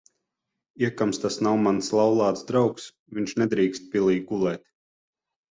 Iekams tas nav mans laulāts draugs, viņš nedrīkst pilī gulēt.